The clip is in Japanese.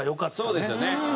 そうですよね。